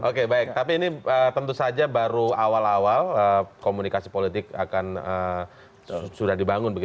oke baik tapi ini tentu saja baru awal awal komunikasi politik akan sudah dibangun